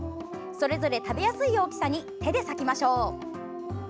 それぞれ食べやすい大きさに手で裂きましょう。